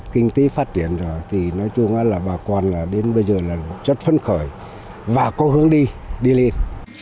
kinh tế phát triển rồi thì nói chung là bà con là đến bây giờ là rất phấn khởi và có hướng đi đi lên